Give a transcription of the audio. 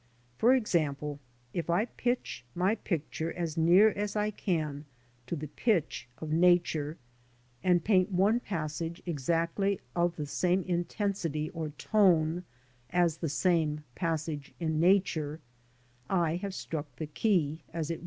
'\ For example, if I pitch my picture as near as I can to the pitch ^ of Nature, and paint one passage exactly of the same intensity or ^* tone as the same passage in Nature, I have struck the key , as it N.